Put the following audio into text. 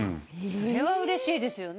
・それはうれしいですよね。